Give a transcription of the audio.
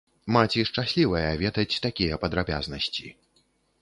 Маці шчаслівая ведаць такія падрабязнасці.